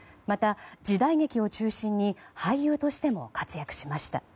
また、時代劇を中心に俳優としても活躍しました。